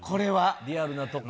リアルなところ。